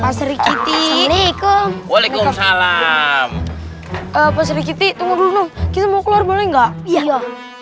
pasri kitty waalaikumsalam apa sedikit itu dulu kita mau keluar boleh enggak iya